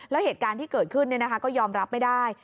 แล้วเหตุการณ์ที่เกิดขึ้นก็ยอมรับไม่ได้